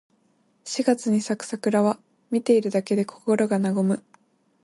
四月に咲く桜は、見ているだけで心が和む。